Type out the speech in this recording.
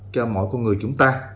cho mỗi con người chúng ta